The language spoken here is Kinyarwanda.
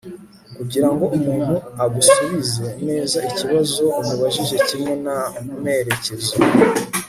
kugirango umuntu agusubize neza ikibazo umubajije kimwe n'amerekezo